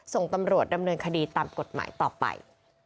ส่งตำรวจดำเนินคดีตามกฎหมายต่อไป